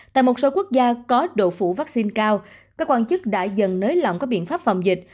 tại một số quốc gia có độ phủ vaccine cao các quan chức đã dần nới lỏng các biện pháp phòng dịch